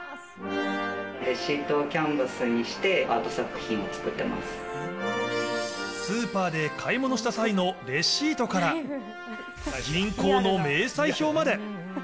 レシートをキャンバスにして、スーパーで買い物した際のレシートから、銀行の明細票まで。